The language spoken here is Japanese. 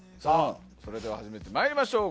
それでは初めてまいりましょう。